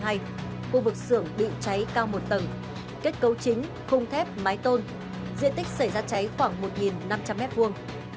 khu vực xưởng bị cháy cao một tầng kết cấu chính khung thép mái tôn diện tích xảy ra cháy khoảng một năm trăm linh m hai